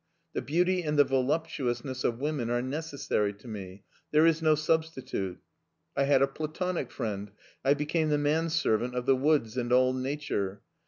The beauty and the voluptuousness of women are necessary to me. There is no substitute. I had a platonic friend. I became the manservant of the woods and all nature.